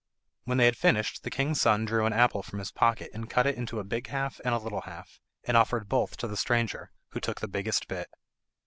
When they had finished the king's son drew an apple from his pocket, and cut it into a big half and a little half, and offered both to the stranger, who took the biggest bit.